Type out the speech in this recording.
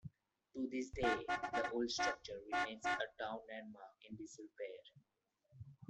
To this day, the old structure remains a town landmark in disrepair.